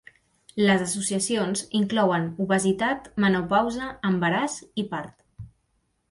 Les associacions inclouen obesitat, menopausa, embaràs i part.